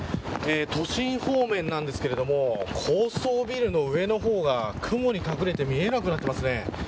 都心方面なんですが高層ビルの上の方が雲に隠れて見えなくなっていますね。